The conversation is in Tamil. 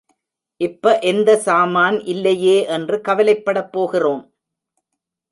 இப்ப எந்த சாமான் இல்லையே என்று கவலைப் படப்போகிறோம்?